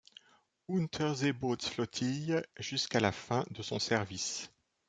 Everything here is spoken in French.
Unterseebootsflottille jusqu'à la fin de son service.